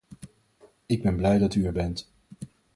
Ik ben blij dat u er bent.